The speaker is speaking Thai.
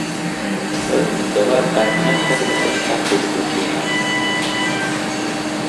เอ้อ จะว่าไป หน้าข้อมูลค้นคว้ากลุ่มดูดีนะ